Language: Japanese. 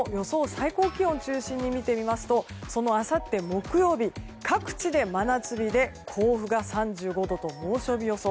最高気温を中心に見ていきますとあさって木曜日各地で真夏日で甲府が３５度と猛暑日予想。